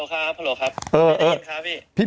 ไม่ได้ยินครับพี่